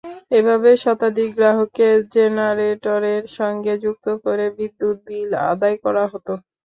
এভাবে শতাধিক গ্রাহককে জেনারেটরের সঙ্গে যুক্ত করে বিদ্যুৎ বিল আদায় করা হতো।